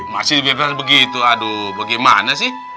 masih bebas begitu aduh bagaimana sih